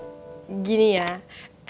emangnya udah zaman muda